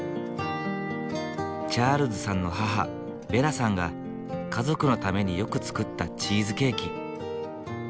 チャールズさんの母ベラさんが家族のためによく作ったチーズケーキ。